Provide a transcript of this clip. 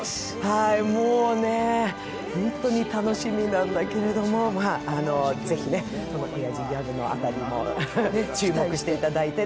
もうね、本当に楽しみなんだけど、ぜひオヤジギャグの辺りも注目していただいて。